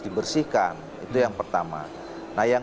dibersihkan itu yang pertama nah yang